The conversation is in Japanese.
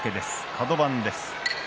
カド番です。